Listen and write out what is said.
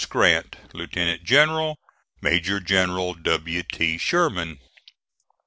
GRANT, Lieutenant General. "MAJOR GENERAL W. T. SHERMAN."